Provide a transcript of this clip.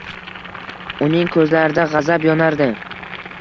Uning ko`zlarida g`azab yonardi